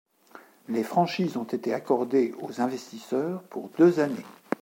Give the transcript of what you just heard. Les franchises ont été accordées aux investisseurs pour deux années.